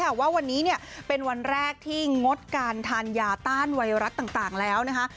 แต่ว่าวันนี้เนี่ยเป็นวันแรกที่งดการทานยาต้านไวรัสต่างแล้วนะคะ